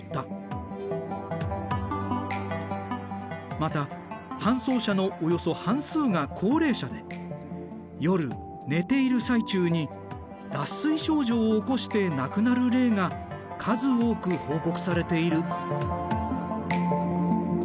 また搬送者のおよそ半数が高齢者で夜寝ている最中に脱水症状を起こして亡くなる例が数多く報告されている。